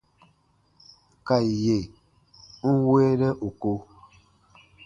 Ka yè n weenɛ ù ko.